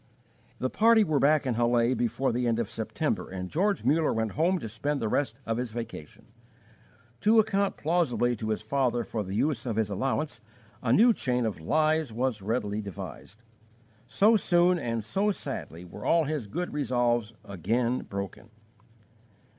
The party were back in Halle before the end of September, and George Muller went home to spend the rest of his vacation. To account plausibly to his father for the use of his allowance a new chain of lies was readily devised. So soon and so sadly were all his good resolves again broken.